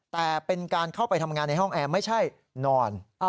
แต่เป็นการเข้าไปทำงานในห้องแอร์ไม่ใช่นอน